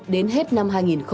đến hết năm hai nghìn hai mươi hai